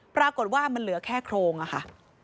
ปรากฏว่ามันเหลือแค่โครงอะค่ะ